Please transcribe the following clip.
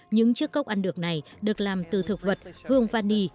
những chiếc cốc ăn được này được làm từ thực vật hương vani